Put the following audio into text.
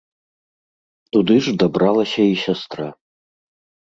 Туды ж дабралася і сястра.